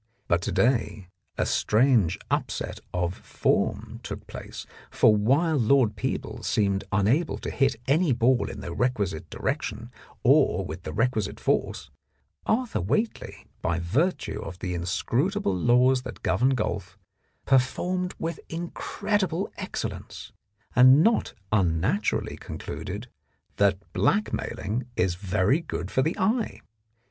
But to day a strange upset 47 The Blackmailer of Park Lane of form took place, for while Lord Peebles seemed unable to hit any ball in the requisite direction or with the requisite force, Arthur Whately, by virtue of the inscrutable laws that govern golf, performed with incredible excellence, and not unnaturally con cluded that blackmailing is very good for the eye.